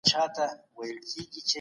د زړه بدو هیلو ته ځای نه ورکول کېږي.